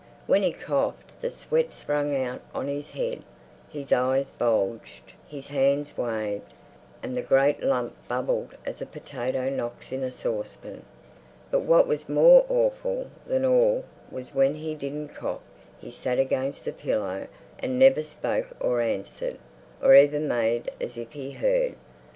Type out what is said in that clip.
When he coughed the sweat sprang out on his head; his eyes bulged, his hands waved, and the great lump bubbled as a potato knocks in a saucepan. But what was more awful than all was when he didn't cough he sat against the pillow and never spoke or answered, or even made as if he heard.